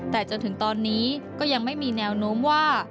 แต่จนถึงตอนนี้ก็ยังไม่มีแนวโน้มว่า